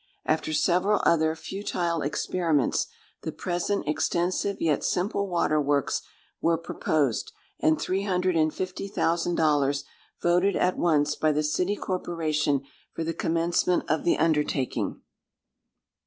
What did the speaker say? After several other futile experiments, the present extensive yet simple water works were proposed, and three hundred and fifty thousand dollars voted at once by the city corporation for the commencement of the undertaking.